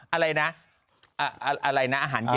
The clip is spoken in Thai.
อะไรนะอะไรนะอาหารเย็น